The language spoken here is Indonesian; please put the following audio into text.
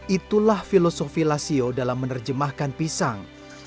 itulah filosofi lasio dalam menerjemahkan pisang